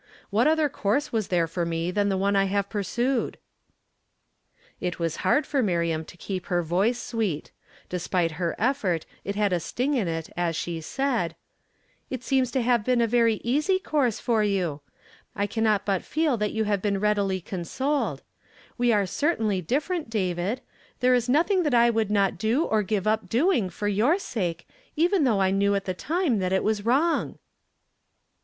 What other course was there io;' me than the ma I have pursued ?" •hat ♦'W >u t 302 YESTERDAY FRAMED IN TO DAY. "J It was hard for Miriam to keep her voice sweet • despite her effort, it had a sting in it as she said, " It seems to have been a very easy course for you ; I cannot but feel that you have been readily consoled. We are certainly different, David. Ihere is nothing that I would not do or give up doing for your sake, even though I knew at the time that it was wrong."